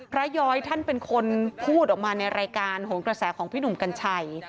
ย้อยท่านเป็นคนพูดออกมาในรายการโหนกระแสของพี่หนุ่มกัญชัย